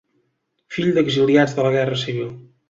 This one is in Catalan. Fill d'exiliats de la Guerra Civil.